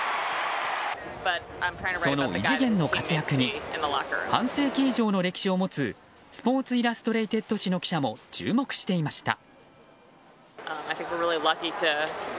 その異次元の活躍に半世紀以上の歴史を持つ「スポーツ・イラストレイテッド」誌の記者も注目していました。